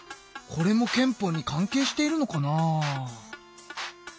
これも憲法に関係しているのかな？